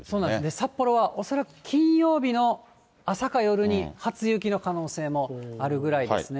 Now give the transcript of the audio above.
札幌は恐らく金曜日に朝か夜に初雪の可能性もあるぐらいです